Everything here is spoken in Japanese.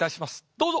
どうぞ。